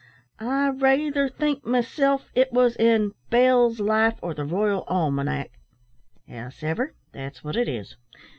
"I raither think myself it wos in Bell's Life or the Royal Almanac; hows'ever, that's wot it is.